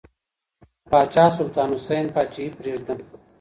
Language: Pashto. پاچا سلطان حسین پاچاهي پرېږده.